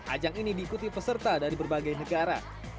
ajang ini diikuti peserta dari berbagai negara